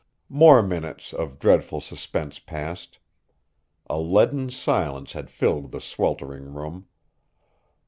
More minutes of dreadful suspense passed. A leaden silence had filled the sweltering room.